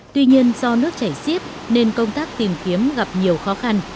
tuy nhiên do nước chảy xiết nên công tác tìm kiếm gặp nhiều khó khăn